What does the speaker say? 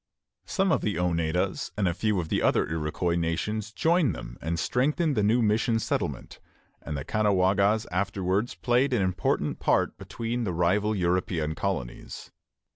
Some of the Oneidas and a few of the other Iroquois nations joined them and strengthened the new mission settlement; and the Caughnawagas afterwards played an important part between the rival European colonies.